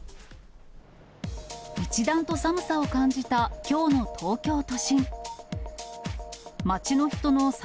一段と寒さを感じたきょうの東京都心。